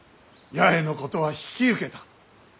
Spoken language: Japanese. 八重のことは引き受けた。